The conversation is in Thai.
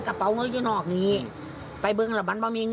แสนสองกับท่องหาดสิบต่าง